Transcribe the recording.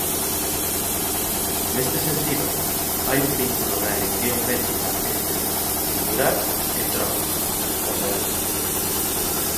Neste sentido, hai un vínculo na elección métrica entre Zigurat e Trona, o merlo.